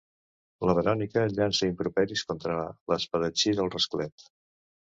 La Verònica llança improperis contra l'espadatxí del rasclet.